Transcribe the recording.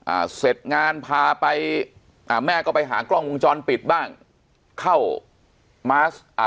อ่าเสร็จงานพาไปอ่าแม่ก็ไปหากล้องวงจรปิดบ้างเข้ามา